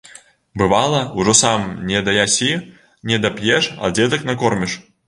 Бывала, ужо сам недаясі, недап'еш, а дзетак накорміш.